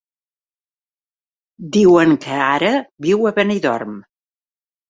Diuen que ara viu a Benidorm.